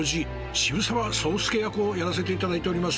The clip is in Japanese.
渋沢宗助役をやらせていただいております